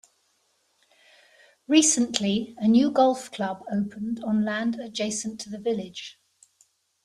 Recently a new golf club opened on land adjacent to the village.